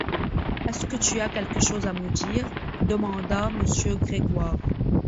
Est-ce que tu as quelque chose à me dire? demanda Monsieur Grégoire.